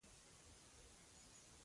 لاندې ځمکې ته یې کتل.